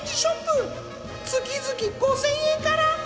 月々５，０００円から！